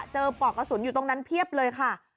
ปอกกระสุนอยู่ตรงนั้นเพียบเลยค่ะ